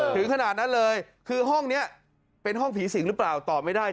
ถึงขนาดนั้นเลยคือห้องนี้เป็นห้องผีสิงหรือเปล่าตอบไม่ได้